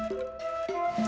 jangan teh gak usah